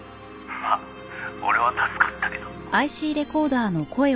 「まあ俺は助かったけど」